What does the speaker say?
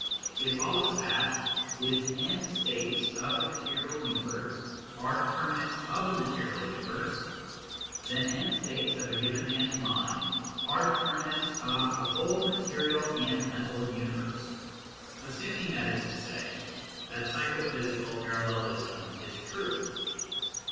It follows that, if n states of the material universe are determinants of the material universe, then n states of a given man s mind are determinants of the whole material and mental universe assuming, that is to say, that psycho physical parallelism is true.